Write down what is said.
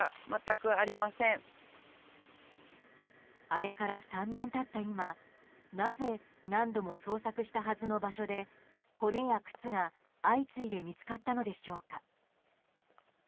あれから３年経った今なぜ、何度も捜索したはずの場所で骨や靴が相次いで見つかったのでしょうか。